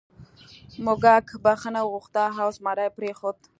موږک بخښنه وغوښته او زمري پریښود.